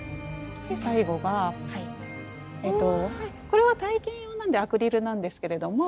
これは体験用なんでアクリルなんですけれども。